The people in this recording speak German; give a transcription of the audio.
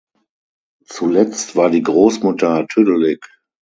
Zuletzt war die Grossmutter tüdelig.